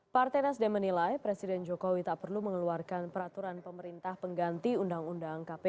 partai nasdem menilai presiden jokowi tak perlu mengeluarkan peraturan pemerintah pengganti undang undang kpk